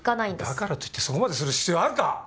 だからといってそこまでする必要あるか！